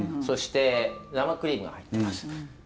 そして生クリームが入ってます